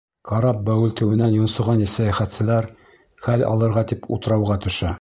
Карап бәүелтеүенән йонсоған сәйәхәтселәр, хәл алырға тип, утрауға төшә.